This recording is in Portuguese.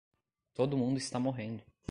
Todo mundo está morrendo